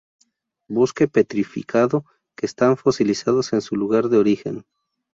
Bosque petrificado, que están fosilizados en su lugar de origen.